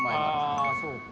あそうか。